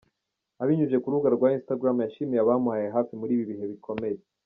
Abinyujije ku rubuga rwa Instagram, yashimiye abamubaye hafi muri ibi bihe bikomeye.